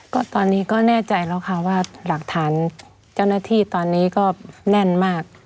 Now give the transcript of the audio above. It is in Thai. ก็ตอนนี้ก็แน่ใจแล้วค่ะว่าหลักฐานเจ้าหน้าที่ตอนนี้ก็แน่นมาก